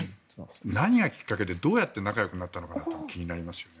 何がきっかけでどうやって仲良くなったのかが気になりますよね。